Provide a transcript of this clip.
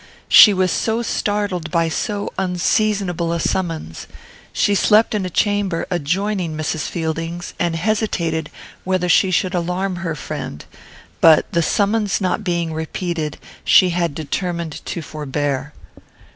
She was startled by so unseasonable a summons. She slept in a chamber adjoining Mrs. Fielding's, and hesitated whether she should alarm her friend; but, the summons not being repeated, she had determined to forbear.